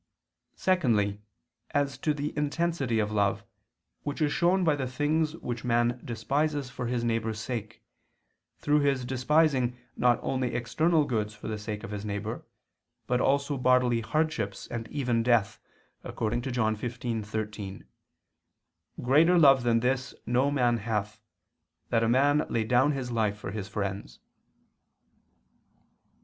Secondly, as to the intensity of love, which is shown by the things which man despises for his neighbor's sake, through his despising not only external goods for the sake of his neighbor, but also bodily hardships and even death, according to John 15:13, "Greater love than this no man hath, that a man lay down his life for his friends."